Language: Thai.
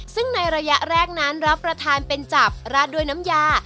ซึ่งในระยะแรกนั้นรับประทานเป็นจับราดด้วยน้ำยา